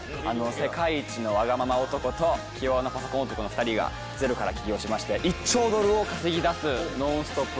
世界一のワガママ男と気弱なパソコンオタクの２人がゼロから起業しまして１兆ドルを稼ぎだすノンストップ